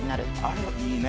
あれいいね。